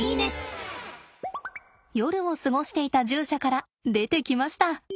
夜を過ごしていた獣舎から出てきました。